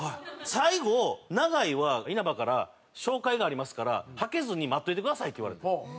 最後長居は「稲葉から紹介がありますからはけずに待っといてください」って言われて。